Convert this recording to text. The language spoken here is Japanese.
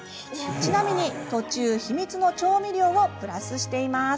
ちなみに、途中秘密の調味料をプラスしています。